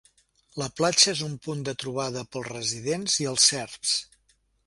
La platja és un punt de trobada pels residents i els serfs.